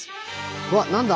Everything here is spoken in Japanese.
うわ何だ？